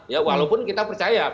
ya walaupun kita percaya